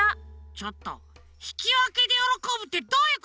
ちょっとひきわけでよろこぶってどういうこと？